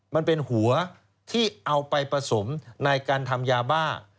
มันเป็นหัวที่เอาไปผสมในการทำยาบ้า